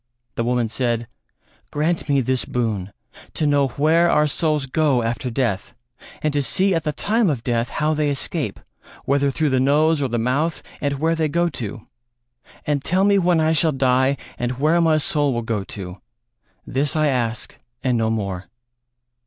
The woman said: "Grant me this boon to know where our souls go after death, and to see at the time of death how they escape, whether through the nose or the mouth, and where they go to; and tell me when I shall die and where my soul will go to; this I ask and no more."